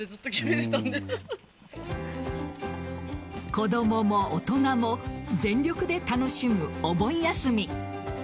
子供も大人も全力で楽しむお盆休み。